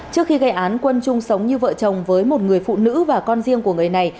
trước khi gây án quân chung sống như vợ chồng với một người phụ nữ và con riêng của người này